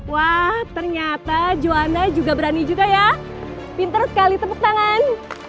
wah ternyata juanda juga berani juga ya pinter sekali tepuk tangan